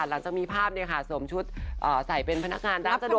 หลังจากมีภาพเนี่ยค่ะสวมชุดใส่เป็นพนักงานร้านสะดวกซื้อ